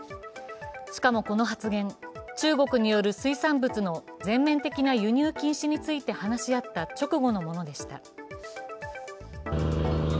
しかも、この発言、中国による水産物の全面的な輸入禁止について話し合った直後のものでした。